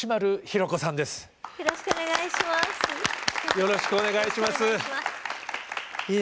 よろしくお願いします。